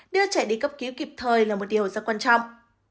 đưa trẻ đi cấp cứu kịp thời là một điều rất quan trọng